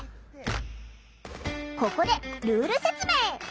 ここでルール説明。